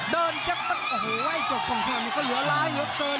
เดินเจ็บโอ้โหจบกล่องแขกมีก็เหลือหลายเหนือเกิน